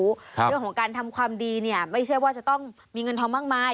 เรื่องของการทำความดีเนี่ยไม่ใช่ว่าจะต้องมีเงินทองมากมาย